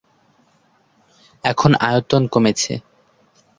এখন আয়তন কমেছে।